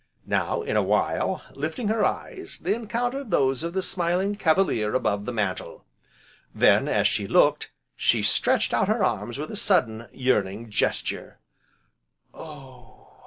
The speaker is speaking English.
Now, in a while, lifting her eyes, they encountered those of the smiling Cavalier above the mantel. Then, as she looked, she stretched out her arms with a sudden yearning gesture: "Oh!"